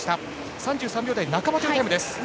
３３秒台半ばというタイム。